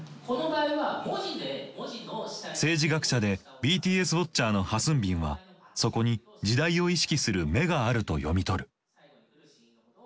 政治学者でＢＴＳウォッチャーの河昇彬はそこに時代を意識する眼があると読み取る。